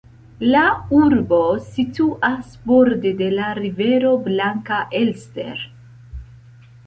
La urbo situas borde de la rivero Blanka Elster.